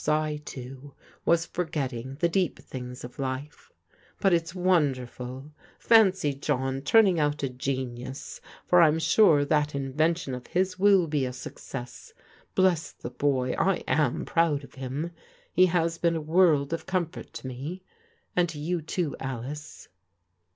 I. toe* was forgetting the deep things of life: bat its wooderfuL Fancy John turning out a pKiius ; for I*m sure that invention of his will be a suc ces<>. Bless the bey. I «bk proud of him ! He has been a world of comfort to toe ; and to you, too, Alice."